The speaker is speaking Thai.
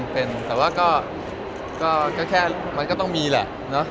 เป็นแต่ว่าก็แค่มันก็ต้องมีแหละ